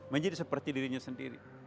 menjadi seperti dirinya sendiri